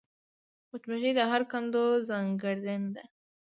مچمچۍ د هر کندو ځانګړېندنه لري